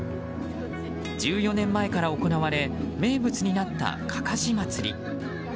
１４年前から行われ名物になった、かかし祭り。